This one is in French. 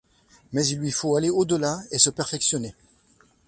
Mais il lui faut aller au-delà, et se perfectionner.